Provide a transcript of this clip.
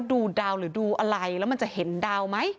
ดูดาวหรือดูอะไรแล้วมันจะเห็นดาวไหม